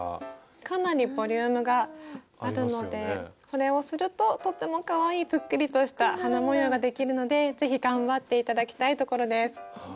かなりボリュームがあるのでこれをするととってもかわいいぷっくりとした花模様ができるので是非頑張って頂きたいところです。